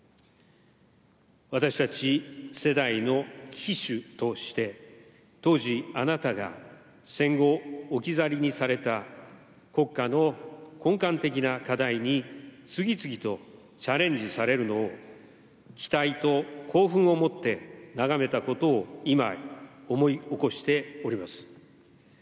私たち世代のきしゅとして当時、あなたが戦後、置き去りにされた国家の根幹的な課題に次々とチャレンジされるのを、期待と興奮をもって眺めたことを今、思い起こしております。